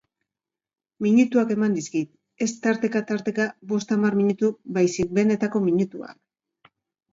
Minutuak eman dizkit, ez tarteta-tarteka bost hamar minutu baizik benetako minutuak.